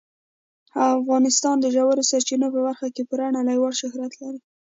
افغانستان د ژورو سرچینو په برخه کې پوره نړیوال شهرت لري.